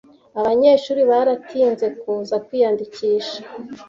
abanyeshuri baratinze kuza kwiyandikisha